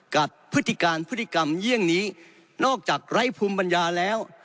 พฤติการพฤติกรรมเยี่ยงนี้นอกจากไร้ภูมิปัญญาแล้ว